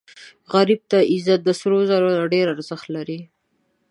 غریب ته عزت د سرو زرو نه ډېر ارزښت لري